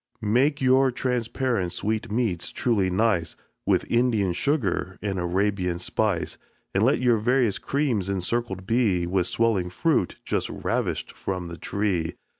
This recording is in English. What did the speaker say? Make your transparent sweetmeats truly nice With Indian sugar and Arabian spice. And let your various creams encircled be With swelling fruit just ravish'd from the tree.